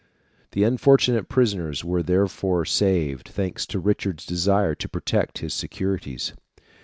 The unfortunate prisoners were therefore saved, thanks to Richard's desire to protect his securities.